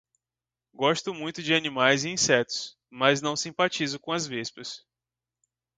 Gosto muito de animais e insetos, mas não simpatizo com as vespas.